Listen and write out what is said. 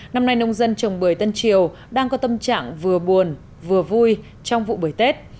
năm nay nông dân trồng bưởi tân triều đang có tâm trạng vừa buồn vừa vui trong vụ bưởi tết